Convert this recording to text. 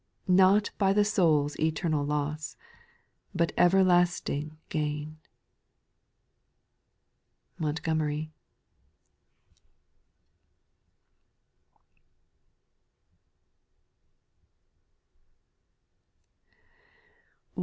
Not by the soul's eternal loss, But everlasting gain. MONTOOMEBY.